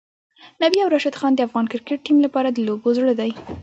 نبی او راشدخان د افغان کرکټ ټیم لپاره د لوبو زړه دی.